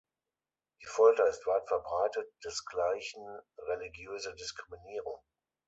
Die Folter ist weit verbreitet, desgleichen religiöse Diskriminierung.